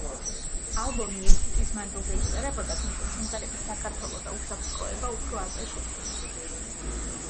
ალბომი ერთი წლის მანძილზე იწერებოდა, თუმცა სიმღერები „საქართველო“ და „უსაფრთხოება“ უფრო ადრე შეიქმნა.